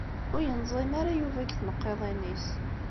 Ur yenẓim ara Yuba deg tneqqiḍin-is.